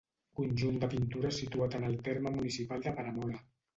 Conjunt de pintures situat en el terme municipal de Peramola.